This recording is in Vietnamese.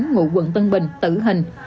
ngụ quận tân bình tử hình